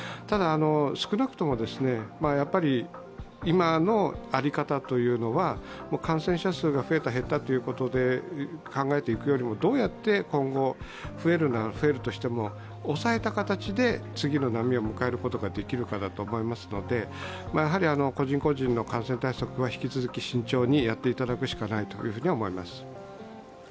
ただ、少なくとも今の在り方というのは感染者数が増えた、減ったということで考えていくよりもどうやって今後、増えるなら増えるとしても抑えた形で次の波を迎えることができるかだと思いますので個人個人の感染対策は、引き続き慎重にやっていただくしかないとは思います。